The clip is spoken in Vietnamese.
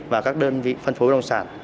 và các đơn vị phân phối đồng sản